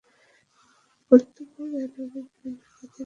কর্তব্য-জ্ঞান আবার বিভিন্ন জাতির মধ্যে ভিন্ন ভিন্ন।